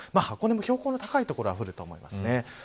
箱根も標高の高い所は降ると思います。